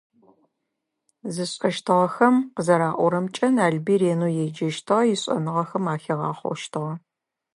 Зышӏэщтыгъэхэм къызэраӏорэмкӏэ Налбый ренэу еджэщтыгъэ, ишӏэныгъэхэм ахигъахъощтыгъэ.